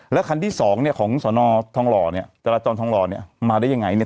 แล้วคันที่สองเนี่ยของสนทองหล่อเนี่ยจราจรทองหล่อเนี่ยมาได้ยังไงเนี่ย